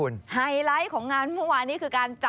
ใช่แล้วต้องขอบคุณนะฮะ